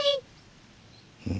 うん？